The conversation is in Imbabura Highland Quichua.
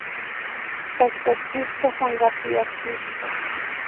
Pactachishka pankapi aspishka